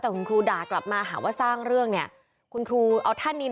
แต่คุณครูด่ากลับมาหาว่าสร้างเรื่องเนี่ยคุณครูเอาท่านนี้